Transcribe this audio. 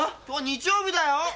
今日日曜日だよ！